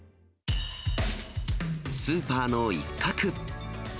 スーパーの一角。